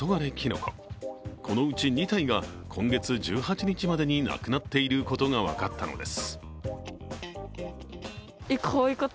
このうち２体が今月１８日までになくなっていることが分かったのです。